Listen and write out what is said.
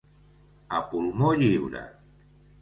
A pulmó lliure.